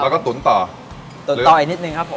แล้วก็ตุ๋นต่อตุ๋นต่ออีกนิดนึงครับผม